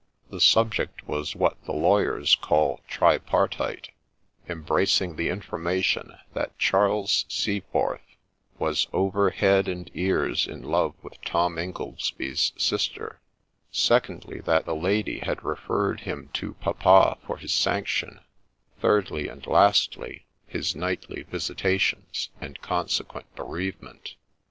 The subject was what the lawyers call tripartite, embracing the information that Charles Seaforth was over head and ears in love with Tom Ingoldsby's sister ; secondly, that the lady had referred him to ' papa ' for his sanction ; thirdly and lastly, his nightly visita tions, and consequent bereavement.